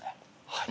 はい。